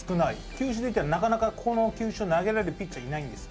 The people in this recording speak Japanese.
球種でいったらなかなかこの球種を投げれるピッチャーいないんです。